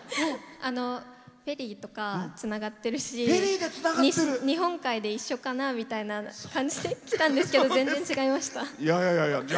フェリーとかつながってるし日本海で一緒かなみたいな感じで来たんですけど全然、違いました。